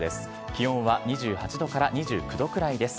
気温は２８度から２９度くらいです。